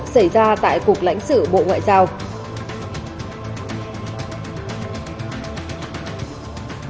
xảy ra tại cục lãnh sự bộ ngoại giao